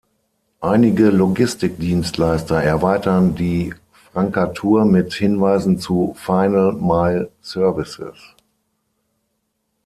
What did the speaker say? Einige Logistikdienstleister erweitern die Frankatur mit Hinweisen zu Final Mile Services.